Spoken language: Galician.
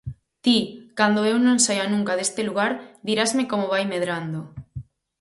Ti, cando eu non saia nunca deste lugar, dirasme como vai medrando.